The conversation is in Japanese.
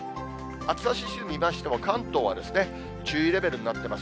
暑さ指数見ましても、関東は注意レベルになってます。